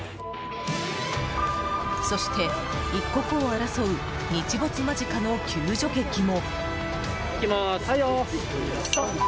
そして一刻を争う日没間近の救助劇も。